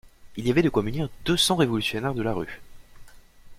Il y avait de quoi munir deux cents révolutionnaires de la rue.